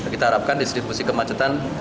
kita harapkan distribusi kemacetan